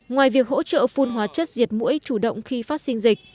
ngoài việc hỗ trợ phun hóa chất diệt mũi chủ động khi phát sinh dịch